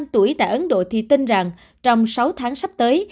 hai mươi năm tuổi tại ấn độ thì tin rằng trong sáu tháng sắp tới